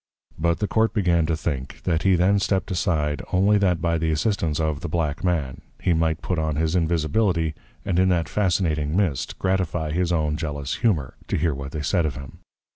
But the Court began to think, that he then step'd aside, only that by the assistance of the Black Man, he might put on his Invisibility, and in that Fascinating Mist, gratifie his own Jealous Humour, to hear what they said of him.